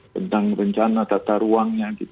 tentang rencana tata ruangnya